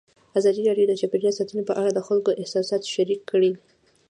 ازادي راډیو د چاپیریال ساتنه په اړه د خلکو احساسات شریک کړي.